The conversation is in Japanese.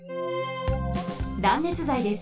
断熱材です。